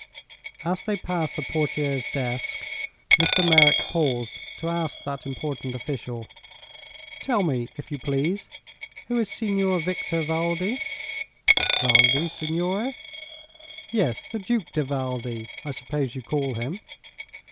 As they passed the portiere's desk Mr. Merrick paused to ask that important official: "Tell me, if you please, who is Signor Victor Valdi?" "Valdi, signore?" "Yes; the Duke di Valdi, I suppose you call him."